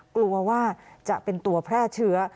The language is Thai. กลัวว่าจะเป็นตัวแพร่เชื้อ